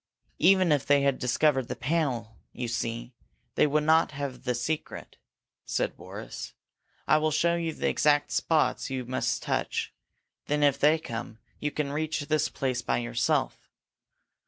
"Even if they discovered the panel, you see, they would not have the secret," said Boris. "I will show you the exact spots you must touch. Then if they come, you can reach this place by yourself.